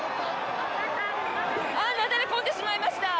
なだれ込んでしまいました。